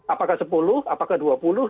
apakah sepuluh apakah dua puluh